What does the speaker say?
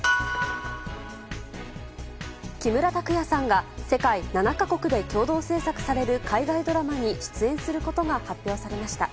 木村拓也さんが世界７か国で共同製作される海外ドラマに出演することが発表されました。